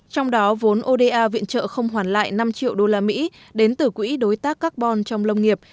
trong đó vốn oda viện trợ không hoàn lại năm triệu đô la mỹ đến từ quỹ đối tác carbon trong lông nghiệp